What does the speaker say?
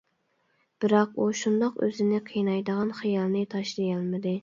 بىراق ئۇ شۇنداق ئۆزىنى قىينايدىغان خىيالنى تاشلىيالمىدى.